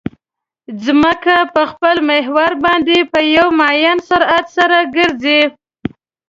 ځمکه په خپل محور باندې په یو معین سرعت سره ګرځي